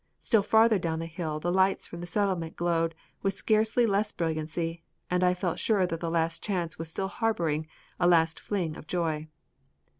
Still farther down the hill the lights from the Settlement glowed with scarcely less brilliancy and I felt sure that the Last Chance was still harboring a last fling of joy.